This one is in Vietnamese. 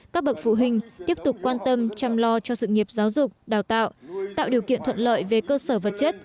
các bậc phụ huynh tiếp tục quan tâm chăm lo cho sự nghiệp giáo dục đào tạo tạo điều kiện thuận lợi về cơ sở vật chất